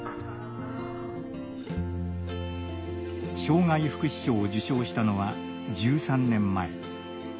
障害福祉賞を受賞したのは１３年前。